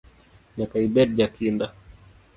Nyaka ibed jakinda.